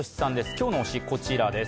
今日の推し、こちらです。